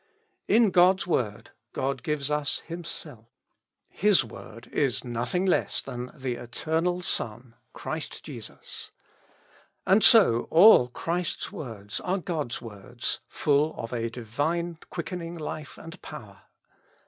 In God's Word God gives us Himself ; His Word is nothing less than the Eternal Son, Christ Jesus. And so all Christ's words are God's words, full of a Divine quickening life and power.